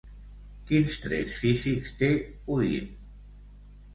Quins trets físics té Odin?